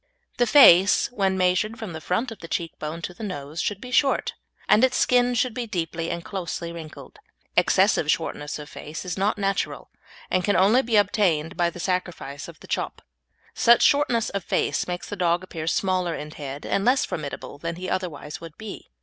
The face, when measured from the front of the cheek bone to the nose, should be short, and its skin should be deeply and closely wrinkled. Excessive shortness of face is not natural, and can only be obtained by the sacrifice of the "chop." Such shortness of face makes the dog appear smaller in head and less formidable than he otherwise would be.